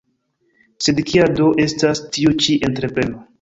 Sed kia do estas tiu ĉi entrepreno.